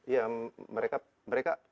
ya mereka mereka